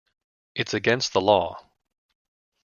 It's against the law.